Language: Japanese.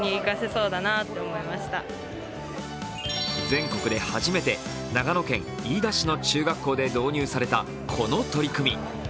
全国で初めて長野県飯田市の中学校で導入されたこの取り組み。